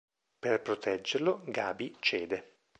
Per proteggerlo, Gaby cede.